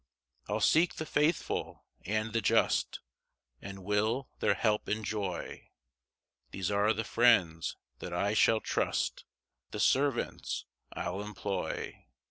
4 I'll seek the faithful and the just And will their help enjoy; These are the friends that I shall trust, The servants I'll employ.